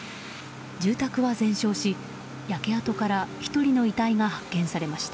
住宅は全焼し、焼け跡から１人の遺体が発見されました。